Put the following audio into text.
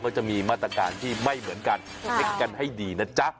จะมีมาตรการที่ไม่เหมือนกันเช็คกันให้ดีนะจ๊ะ